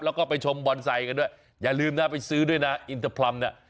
แล้วก็ไปชมบอนไซค์กันด้วยอย่าลืมนะไปซื้อด้วยนะอินเตอร์พลัมเนี่ย